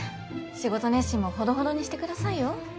仕事熱心もほどほどにしてくださいよ